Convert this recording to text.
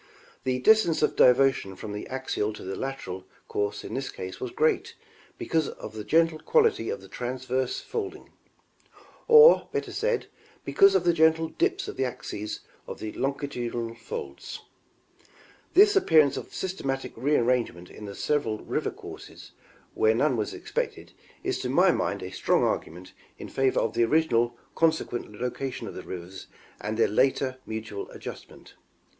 The distance of diversion from the axial to the lateral course in this case was great because of the gentle quality of the transverse folding ; or, better said, because of the gentle dips of the axes of the longi tudinal folds. This appearance of systematic re arrangement in the several riVer courses where none was expected is to my mind a strong argument in favor of the originally consequent location of the rivers and their later mutual adjustment.